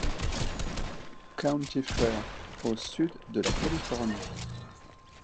County Fair au sud de la Californie.